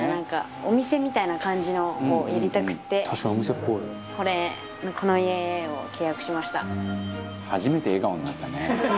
お店みたいな感じのをやりたくてこれこの家を契約しました。